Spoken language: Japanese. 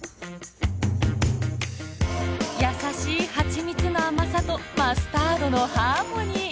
優しい蜂蜜の甘さとマスタードのハーモニー。